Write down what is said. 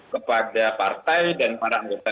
kepada partai dan para anggota